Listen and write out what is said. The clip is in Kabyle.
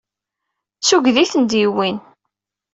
D tuggdi i ten-id-yewwin.